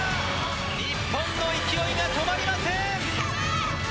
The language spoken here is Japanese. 日本の勢いが止まりません。